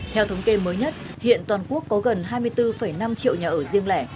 theo thống kê mới nhất hiện toàn quốc có gần hai mươi bốn năm triệu nhà ở riêng lẻ